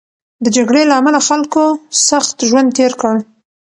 د جګړې له امله خلکو سخت ژوند تېر کړ.